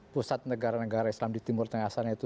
pusat negara negara islam di timur tengah sana itu